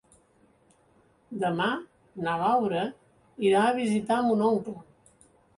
Demà na Laura irà a visitar mon oncle.